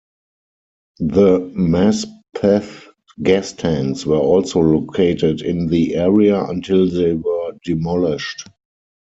The Maspeth gas tanks were also located in the area until they were demolished.